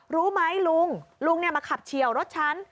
รู้ไหมลุงลุงมาขับเฉียวรถฉัน